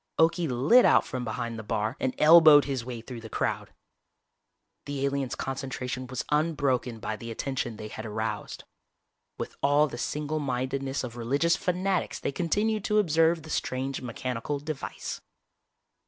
Okie lit out from behind the bar and elbowed his way through the crowd. The aliens' concentration was unbroken by the attention they had aroused. With all the single mindedness of religious fanatics they continued to observe the strange mechanical device.